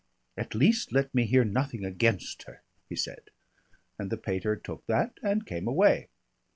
'At least let me hear nothing against her,' he said. And the pater took that and came away.